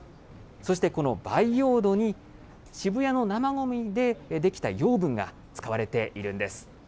そしてこの培養土に、渋谷の生ごみで出来た養分が使われているんです。